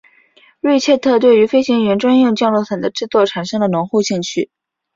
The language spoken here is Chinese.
瑞切特对飞行员专用降落伞的制作产生了浓厚兴趣。